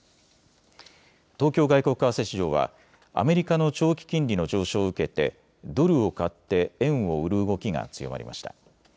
東京外国為替市場はアメリカの長期金利の上昇を受けてドルを買って円を売る動きが強まりました。